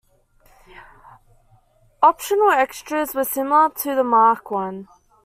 Optional extras were similar to the Mark One.